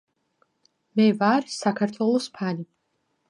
მე ვარ საქართველოს ფანი